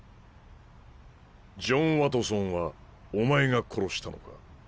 ジョン・ワトソンはお前が殺したのか？